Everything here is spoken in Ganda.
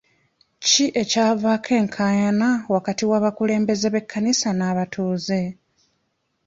Ki ekyavaako enkaayana wakati w'abakulembeze b'ekkanisa n'abatuuze?